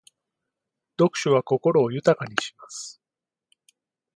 読書は心を豊かにします。